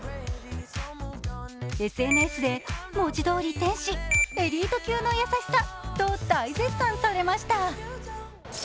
ＳＮＳで文字どおり天使、エリート級の優しさと大絶賛されました。